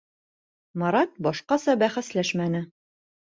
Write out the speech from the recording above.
Марат башҡаса бәхәсләшмәне.